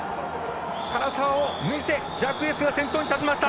唐澤を抜いてジャクエスが先頭に立ちました。